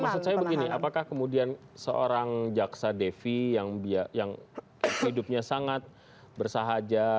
maksud saya begini apakah kemudian seorang jaksa devi yang hidupnya sangat bersahaja